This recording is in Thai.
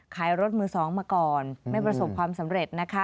รถมือสองมาก่อนไม่ประสบความสำเร็จนะคะ